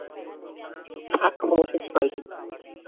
শিশুদের ক্ষেত্রে এটি কম বৃদ্ধি এবং শেখার অক্ষমতার কারণ হতে পারে।